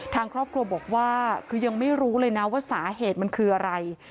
ทางครอบครัวบอกว่าคือยังไม่รู้เลยนะว่าสาเหตุมันคืออะไร